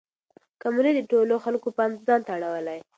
کمرې د ټولو خلکو پام ځان ته اړولی.